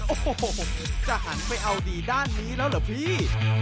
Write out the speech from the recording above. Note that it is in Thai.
โอ้โหจะหันไปเอาดีด้านนี้แล้วเหรอพี่